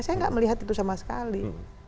saya nggak melihat itu sama sekali